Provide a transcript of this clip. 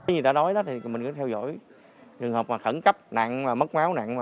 như người ta nói mình có theo dõi trường hợp khẩn cấp nặng mất máu nặng